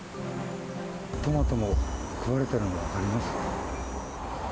トマトも食われているの分かります？